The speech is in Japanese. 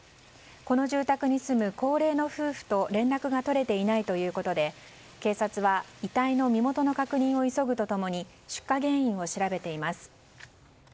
この住宅に住む高齢の夫婦と連絡が取れていないということで警察は遺体の身元の確認を急ぐと共に出火原因を調べています。